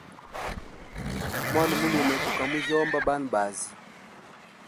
Mwana mulume guka mujyomba banabazi.